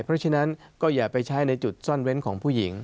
เพราะฉะนั้นก็อย่าไปใช้ในจุดซ่อนเว้นของผู้หญิง